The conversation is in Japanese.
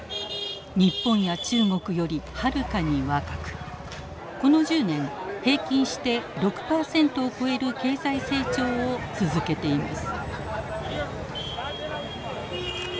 日本や中国よりはるかに若くこの１０年平均して６％を超える経済成長を続けています。